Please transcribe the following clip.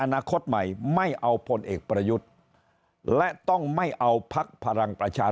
อนาคตใหม่ไม่เอาพลเอกประยุทธ์และต้องไม่เอาพักพลังประชา